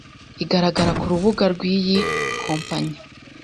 igaragara ku rubuga rw'iyi kompanyi